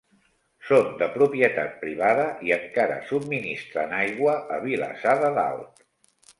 Són de propietat privada i encara subministren aigua a Vilassar de Dalt.